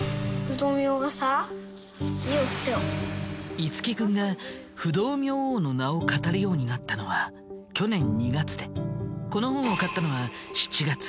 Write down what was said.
樹君が不動明王の名を語るようになったのは去年２月でこの本を買ったのは７月。